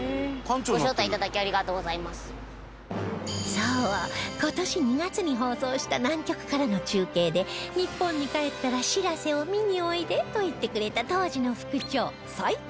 そう今年２月に放送した南極からの中継で「日本に帰ったら“しらせ”を見においで！」と言ってくれた当時の副長齋藤